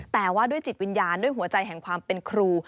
แต่ว่าด้วยจิตวิญญาณด้วยหัวใจแห่งความเป็นครู